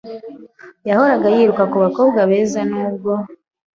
yahoraga yiruka ku bakobwa beza n’ubwo